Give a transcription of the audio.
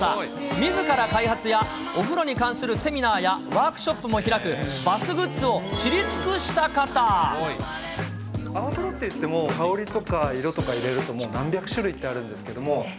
みずから開発やお風呂に関するセミナーや、ワークショップも開く、泡風呂っていっても、香とか色とか入れると、もう何百種類ってあるんですけども。